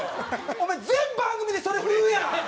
お前全番組でそれ振るやん！